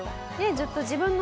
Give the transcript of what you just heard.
ずっと自分のね